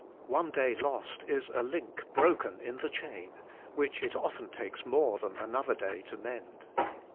One day lost is a link broken in the chain, which it often takes more than another day to mend.